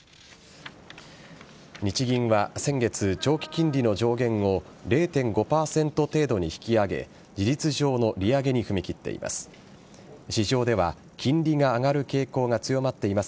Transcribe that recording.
日銀は先月、長期金利の上限を０．５％程度に引き上げ事実上の利上げに踏み切っています。